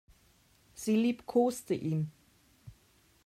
Sie liebkoste ihn.